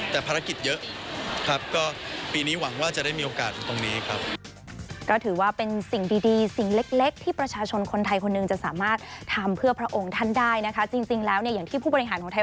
แต่ภารกิจเยอะครับ